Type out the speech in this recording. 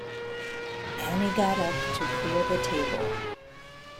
Annie got up to clear the table.